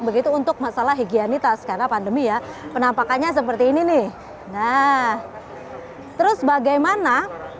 begitu untuk masalah higienitas karena pandemi ya penampakannya seperti ini nih nah terus bagaimana